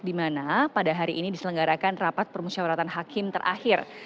di mana pada hari ini diselenggarakan rapat permusyawaratan hakim terakhir